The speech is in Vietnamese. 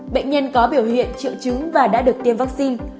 bệnh nhân có biểu hiện triệu chứng và đã được tiêm vaccine